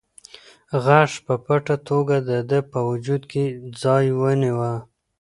غږ په پټه توګه د ده په وجود کې ځای ونیوه.